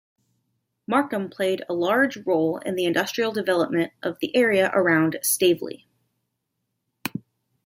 Markham played a large role in the industrial development of the area around Staveley.